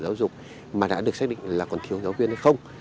giáo dục mà đã được xác định là còn thiếu giáo viên hay không